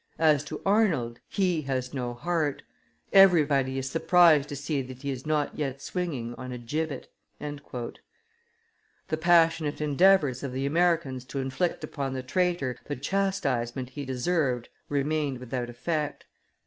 As to Arnold, he has no heart. ... Everybody is surprised to see that he is not yet swinging on a gibbet." The passionate endeavors of the Americans to inflict upon the traitor the chastisement he deserved remained without effect.